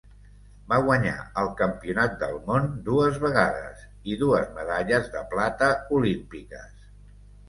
Va guanyar el Campionat del Món dues vegades i dues medalles de plata olímpiques.